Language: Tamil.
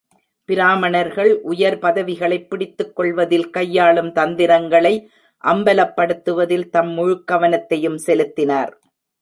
பிராமணர்கள் உயர் பதவிகளைப் பிடித்துக் கொள்வதில் கையாளும் தந்திரங்களை அம்பலப்படுத்துவதில் தம் முழுக்கவனத்தையும் செலுத்தினார்.